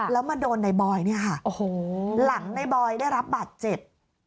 แล้วมาโดนในบอยหลังในบอยได้รับบาดเจ็บ